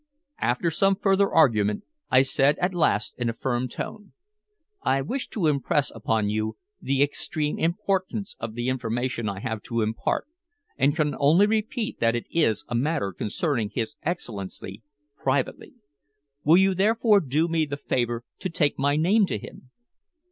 After some further argument, I said at last in a firm tone: "I wish to impress upon you the extreme importance of the information I have to impart, and can only repeat that it is a matter concerning his Excellency privately. Will you therefore do me the favor to take my name to him?"